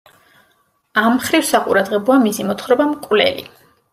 ამ მხრივ საყურადღებოა მისი მოთხრობა „მკვლელი“.